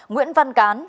nguyễn văn cán